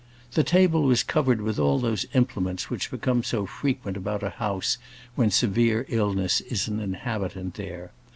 The table was covered with all those implements which become so frequent about a house when severe illness is an inhabitant there.